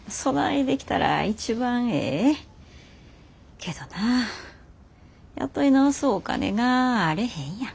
けどな雇い直すお金があれへんやん。